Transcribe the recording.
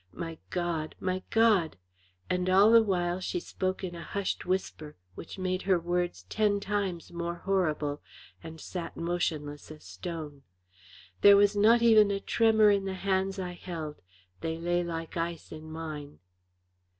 My God! my God!" and all the while she spoke in a hushed whisper, which made her words ten times more horrible, and sat motionless as stone. There was not even a tremor in the hands I held; they lay like ice in mine.